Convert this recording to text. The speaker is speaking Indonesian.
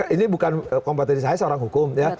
ini bukan kompetensi saya seorang hukum ya